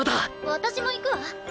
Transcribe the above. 私も行くわ。